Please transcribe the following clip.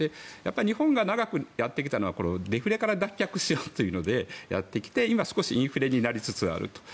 日本が長くやってきたのはデフレから脱却しようというのでやってきて今、少しインフレになりつつあると。